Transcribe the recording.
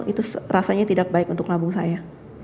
itu rasanya tidak baik untuk lambung saya